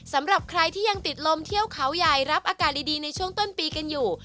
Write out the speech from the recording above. สำหรับใครที่ยังติดลมเที่ยวเขาใหญ่รับอากาศดีในช่วงต้นปีกันอยู่